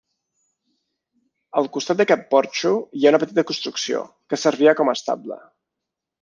Al costat d'aquest porxo hi ha una petita construcció, que servia com a estable.